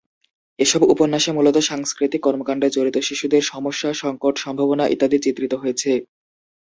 এসব উপন্যাসে মূলত সাংস্কৃতিক কর্মকান্ডে জড়িত শিশুদের সমস্যা, সংকট, সম্ভাবনা ইত্যাদি চিত্রিত হয়েছে।